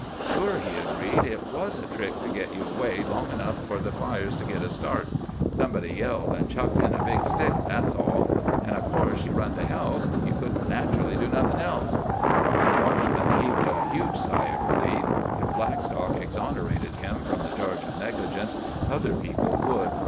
"Sure," he agreed, "it was a trick to git you away long enough for the fires to git a start. Somebody yelled, an' chucked in a big stick, that's all. An', o' course, you run to help. You couldn't naturally do nothin' else." The watchman heaved a huge sigh of relief. If Blackstock exonerated him from the charge of negligence, other people would.